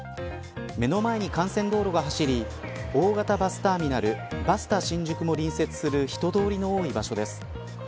目の前に幹線道路が走り大型バスターミナルバスタ新宿も隣接する人通りの多い場所です。